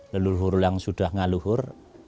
leluhur yang sudah ngaluhur